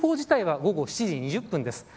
通報自体は午後７時２０分です。